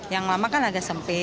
yang lama kan agak sempit